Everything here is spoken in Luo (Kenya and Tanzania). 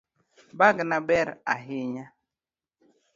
Bagna ber ahinya